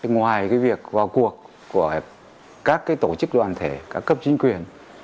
ngoài việc vào cuộc của các tổ chức đoàn thể các cấp chính quyền